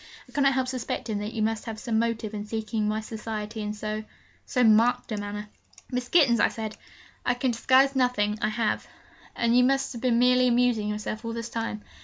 I cannot help suspecting that you must have some motive in seeking my society in so so marked a manner.' 'Miss Gittens,' said I, 'I can disguise nothing: I have.' 'And you have not been merely amusing yourself all this time?'